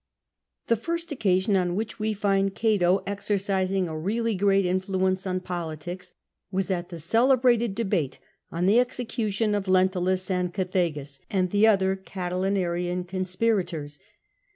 The first occasion on which we find Cato exercising a really great influence on politics was at the celebrated debate on the execution of Lentulus and Cethegus and the other Oatilinarian conspirators.